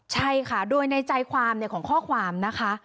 ใช่ค่ะโดยในใจความของข้อความนะคะ